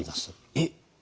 えっ？